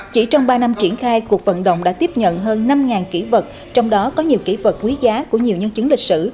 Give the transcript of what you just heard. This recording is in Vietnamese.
chỉ trong ba năm triển khai cuộc vận động đã tiếp nhận hơn năm kỹ vật trong đó có nhiều kỹ vật quý giá của nhiều nhân chứng lịch sử